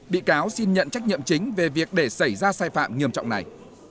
bị cáo xin nhận trách nhiệm chính về việc để xảy ra sai phạm nghiêm trọng này